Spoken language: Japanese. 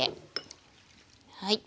はい。